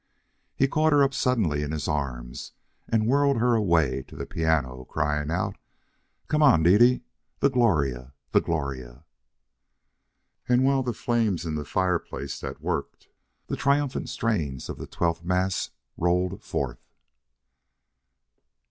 He caught her up suddenly in his arms and whirled her away to the piano, crying out: "Come on, Dede! The Gloria! The Gloria!" And while the flames in the fireplace that worked, the triumphant strains of the Twelfth Mass rolled forth.